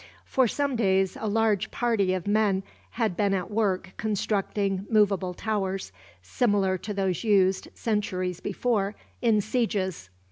For some days a large party of men had been at work constructing movable towers, similar to those used, centuries before, in sieges.